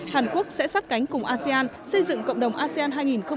hàn quốc sẽ sát cánh cùng asean xây dựng cộng đồng asean hai nghìn hai mươi năm